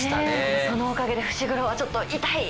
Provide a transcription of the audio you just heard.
そのおかげで伏黒はちょっと痛い。